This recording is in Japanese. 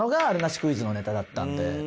クイズのネタだったんで。